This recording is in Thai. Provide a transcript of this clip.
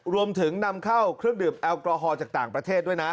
รวมถึงนำเข้าเครื่องดื่มแอลกอฮอลจากต่างประเทศด้วยนะ